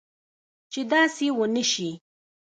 چې داسي و نه شي